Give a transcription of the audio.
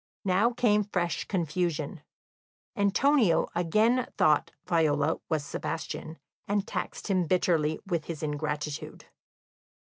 Now came fresh confusion; Antonio again thought Viola was Sebastian, and taxed him bitterly with his ingratitude.